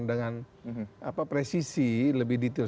dengan presisi lebih detail